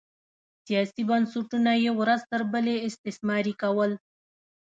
سیاسي بنسټونه یې ورځ تر بلې استثماري کول